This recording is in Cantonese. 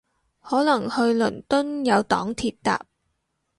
可能去倫敦有黨鐵搭